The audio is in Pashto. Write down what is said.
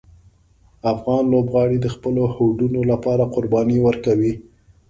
افغان لوبغاړي د خپلو هوډونو لپاره قربانۍ ورکوي.